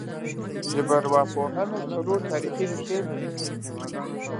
ژبارواپوهنه څلور تاریخي ریښې لري